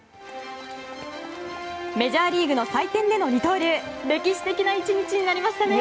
メジャーリーグの祭典での二刀流歴史的な１日になりましたね。